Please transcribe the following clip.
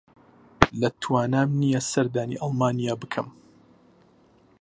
لە توانام نییە سەردانی ئەڵمانیا بکەم.